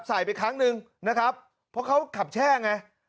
ใส่ไปครั้งหนึ่งนะครับเพราะเขาขับแช่ไง